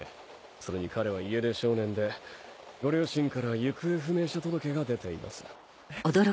それに彼は家出少年でご両親から行方不明者届が出ています。